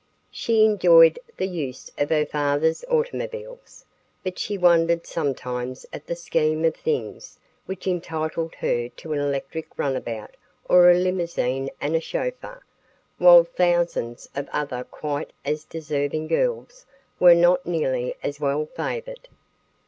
She enjoyed the use of her father's automobiles, but she wondered sometimes at the scheme of things which entitled her to an electric runabout or a limousine and a chauffeur, while thousands of other quite as deserving girls were not nearly as well favored.